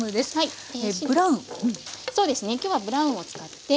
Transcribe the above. そうですね今日はブラウンを使って。